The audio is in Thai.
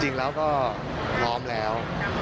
จริงแล้วก็พร้อมแล้ว